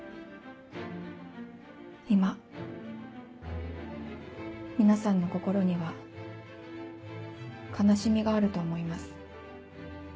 今皆さんの心には悲しみがあると思います。